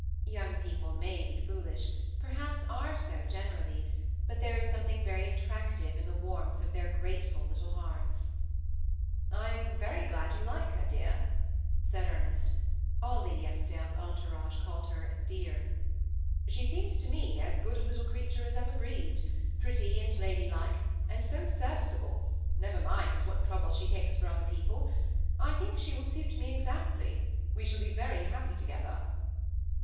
Young people may be foolish, perhaps are so generally, but there is something very attractive in the warmth of their grateful little hearts. " I am very glad you like her, dear," said Ernest, (all Lady Eskdale's entourage called her " dear ");" she seems to me as good a little creature as ever breathed ; pretty and ladylike, and so serviceable ; never minds THE SEMI ATTACHED COUPLE, 363 what trouble she takes for other people. I think she will suit me exactly ; we shall be very happy together."